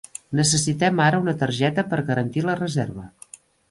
Necessitem ara una targeta per garantir la reserva.